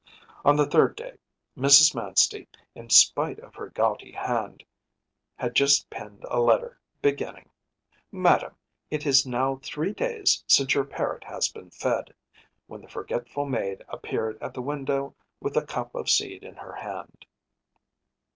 On the third day, Mrs. Manstey, in spite of her gouty hand, had just penned a letter, beginning: “Madam, it is now three days since your parrot has been fed,‚ÄĚ when the forgetful maid appeared at the window with a cup of seed in her hand.